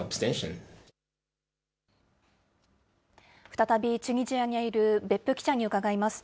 再び、チュニジアにいる別府記者に伺います。